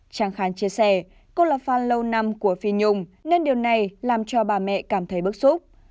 trang khàn chia sẻ cô là fan lâu năm của phi nhung nên điều này làm cho bà mẹ cảm thấy bức xúc